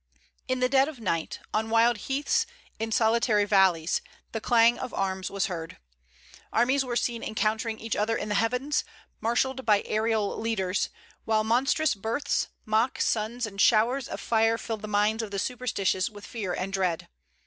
"In the dead of night, on wild heaths, in solitary valleys, the clang of arms was heard. Armies were seen encountering each other in the heavens, marshalled by aërial leaders, while monstrous births, mock suns, and showers of fire filled the minds of the superstitious with fear and dread.